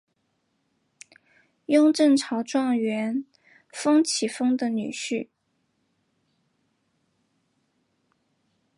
雍正朝状元彭启丰的女婿。